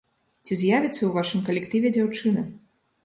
Ці з'явіцца ў вашым калектыве дзяўчына?